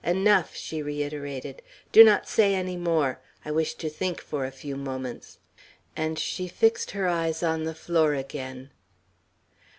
"Enough!" she reiterated. "Do not say any more. I wish to think for a few moments;" and she fixed her eyes on the floor again.